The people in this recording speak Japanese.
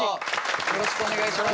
よろしくお願いします。